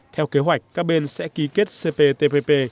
theo kế hoạch các bên sẽ ký kết cp tpp